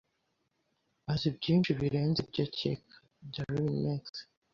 Azi byinshi birenze ibyo areka. (darinmex)